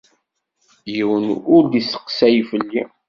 Yiwen ur d-isteqsay fell-i.